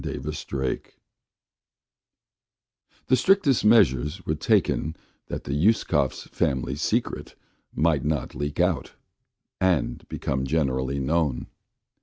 A PROBLEM THE strictest measures were taken that the Uskovs' family secret might not leak out and become generally known.